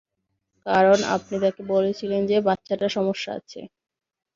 কারণ আপনি তাকে বলেছিলেন যে বাচ্চাটার সমস্যা আছে।